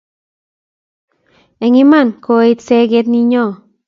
Eng' iman koetu seget ninyo